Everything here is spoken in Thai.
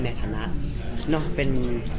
ในฐานะเป็น